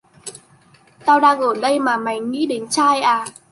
Tao đang ở đây mà mày nghĩ đến trai à